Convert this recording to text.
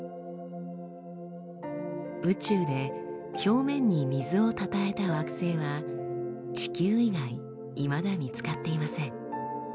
宇宙で表面に水をたたえた惑星は地球以外いまだ見つかっていません。